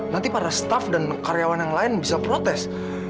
nanti para staff dan karyawan yang lain bisa protes